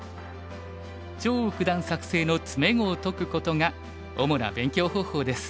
張栩九段作成の詰碁を解くことが主な勉強方法です。